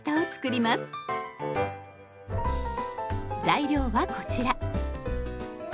材料はこちら。